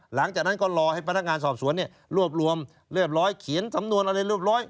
หลังจากนั้นก็รอให้พนักงานสอบสวนรวบรวมเรียบร้อยเขียนสำนวนอะไรเรียบร้อย